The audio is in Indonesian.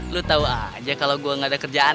lo tau aja kalo gue gak ada kerjaan